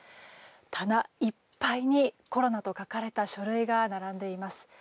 棚いっぱいにコロナと書かれた書類が並んでいます。